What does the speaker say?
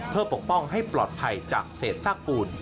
เพื่อปกป้องให้ปลอดภัยจากเศษซากปูน